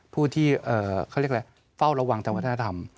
ผู้ที่เขาเรียกอะไรเฝ้าระวังทางวัฒนธรรม